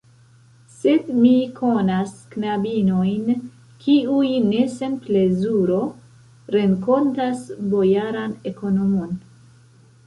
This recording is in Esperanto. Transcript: Sed mi konas knabinojn, kiuj ne sen plezuro renkontas bojaran ekonomon.